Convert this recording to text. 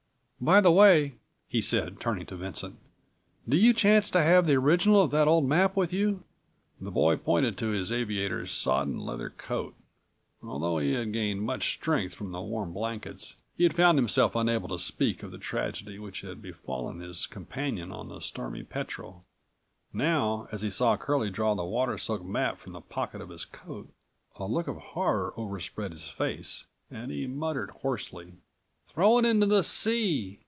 "By the way," he said turning to Vincent, "do you chance to have the original of that old map with you?" The boy pointed to his aviator's sodden leather coat. Although he had gained much strength from the warm blankets, he had found himself226 unable to speak of the tragedy which had befallen his companion on the Stormy Petrel. Now as he saw Curlie draw the water soaked map from the pocket of his coat, a look of horror overspread his face and he muttered hoarsely: "Throw it into the sea.